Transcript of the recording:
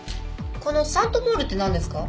この「サントモール」ってなんですか？